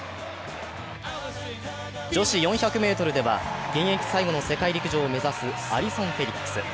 女子４００ｍでは、現役最後の世界陸上を目指すアリソン・フェリックス。